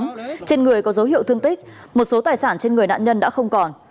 trên người có dấu hiệu thương tích một số tài sản trên người nạn nhân đã không còn